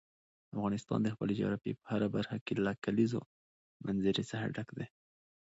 افغانستان د خپلې جغرافیې په هره برخه کې له کلیزو منظره څخه ډک دی.